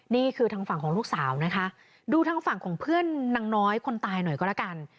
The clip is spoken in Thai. นี่คือทางฝั่งของลูกสาวนะคะดูทางฝั่งของเพื่อนนางน้อยคนตายหน่อยก็แล้วกัน